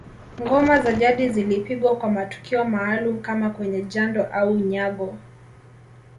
Ngoma za jadi zilipigwa kwa matukio maalum kama kwenye jando au unyago